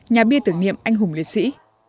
nhà bia tưởng niệm anh hùng liệt sĩ